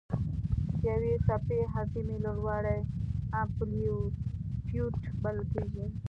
د یوې څپې اعظمي لوړوالی امپلیتیوډ بلل کېږي.